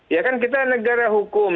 ya kan kita negara hukum